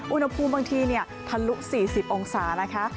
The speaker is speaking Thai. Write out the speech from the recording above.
อุณหภูมิบางทีทะลุ๔๐องศานะคะ